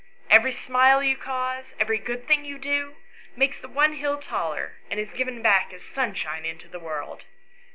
Every smile you cause, every good thing you do, makes the one hill taller, and is given back as sunshine into the world.